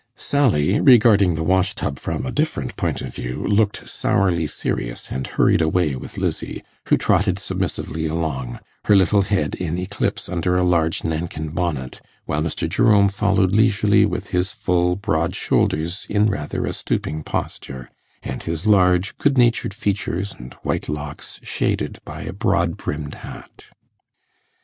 Sally, regarding the wash tub from a different point of view, looked sourly serious, and hurried away with Lizzie, who trotted submissively along, her little head in eclipse under a large nankin bonnet, while Mr. Jerome followed leisurely with his full broad shoulders in rather a stooping posture, and his large good natured features and white locks shaded by a broad brimmed hat.